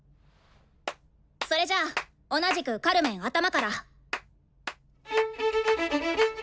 それじゃあ同じくカルメン頭から。